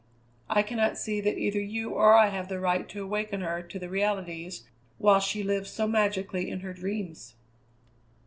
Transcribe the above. I cannot see that either you or I have the right to awaken her to realities while she lives so magically in her dreams."